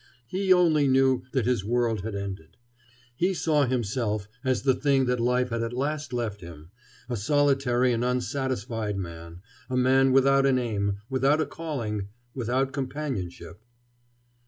He only knew that his world had ended. He saw himself as the thing that life had at last left him—a solitary and unsatisfied man, a man without an aim, without a calling, without companionship.